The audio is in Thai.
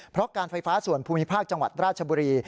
เพราะการไฟฟ้าส่วนภูมิภาคจังหวัดราชบุรี